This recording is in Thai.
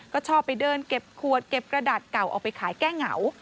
ก็ชอบไปเดินเก็บขวดเก็บกระดาษเก่าออกไปขายแก้เหงา